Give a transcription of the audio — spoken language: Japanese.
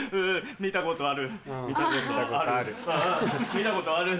「見たことある」。